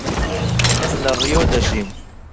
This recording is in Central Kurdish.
من لە ڕیۆ دەژیم.